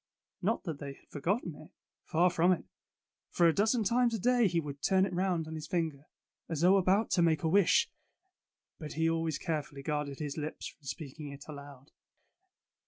Not that they had forgotten it. Far from it; for a dozen times a day he would turn it around on his finger, as though about to make a wish. But he always carefully guarded his lips from speaking it aloud.